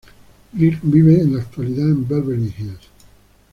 Grier vive en la actualidad en Beverly Hills.